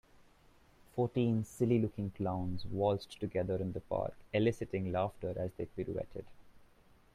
Fourteen silly looking clowns waltzed together in the park eliciting laughter as they pirouetted.